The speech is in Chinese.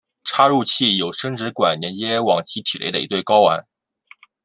插入器有生殖管连接往其体内的一对睾丸。